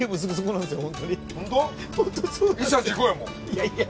いやいや。